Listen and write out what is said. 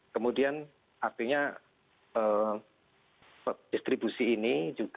kemudian artinya distribusi ini